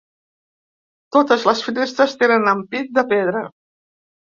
Totes les finestres tenen ampit de pedra.